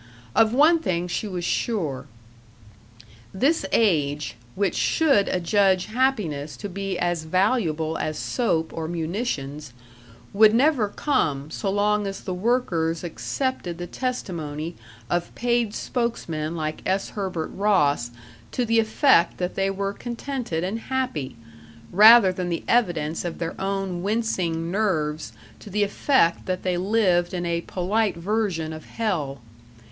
Of one thing she was sure: This age, which should adjudge happiness to be as valuable as soap or munitions, would never come so long as the workers accepted the testimony of paid spokesmen like S. Herbert Ross to the effect that they were contented and happy, rather than the evidence of their own wincing nerves to the effect that they lived in a polite version of hell....